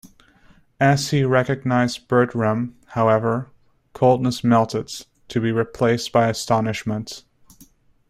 As he recognized Bertram, however, coldness melted, to be replaced by astonishment.